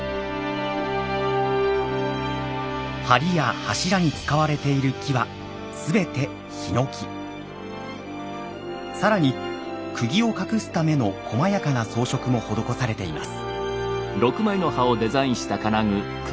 はりや柱に使われている木は全て更に釘を隠すためのこまやかな装飾も施されています。